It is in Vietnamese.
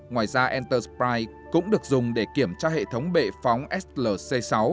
ngoài ra entersprite cũng được dùng để kiểm tra hệ thống bệ phóng slc sáu